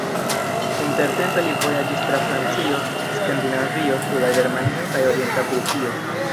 Intertempe li vojaĝis tra Francio, Skandinavio, Suda Germanio kaj Orienta Prusio.